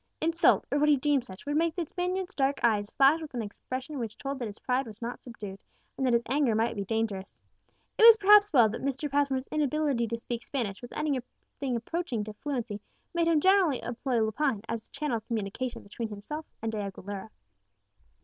Insult, or what he deemed such, would make the Spaniard's dark eyes flash with an expression which told that his pride was not subdued, and that his anger might be dangerous. It was perhaps well that Mr. Passmore's inability to speak Spanish with anything approaching to fluency made him generally employ Lepine as the channel of communication between himself and De Aguilera.